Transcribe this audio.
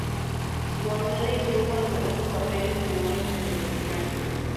Woodley tuvo numerosos papeles menores en televisión.